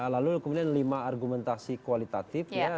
lalu kemudian lima argumentasi kualitatif